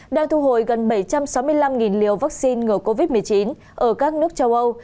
đang thu hồi gần bảy trăm sáu mươi năm liều vaccine ngừa covid một mươi chín ở các nước châu âu